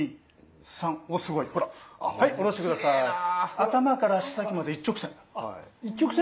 頭から足先まで一直線。